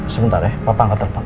sebentar ya papa angkat telepon